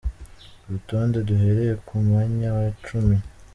Urutonde duhereye ku mwanya wa cumi:.